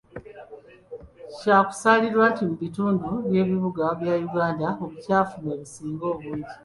Kyakusaalirwa mu bitundu by'ebibuga bya Uganda obukyafu mwe businga obungi